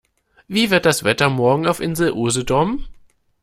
Wie wird das Wetter morgen auf Insel Usedom?